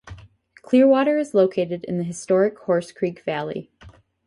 Clearwater is located in historic Horse Creek Valley.